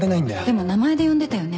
でも名前で呼んでたよね？